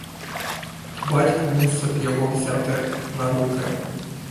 Батько мусив його взяти на руки.